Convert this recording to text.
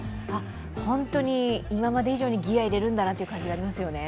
本当に今まで以上にギア入れるんだなという感じがしますね。